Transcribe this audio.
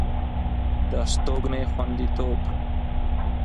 د استوګنې خوندیتوب